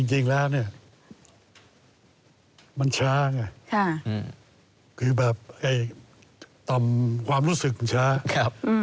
จริงแล้วเนี่ยมันช้าไงคือแบบความรู้สึกช้า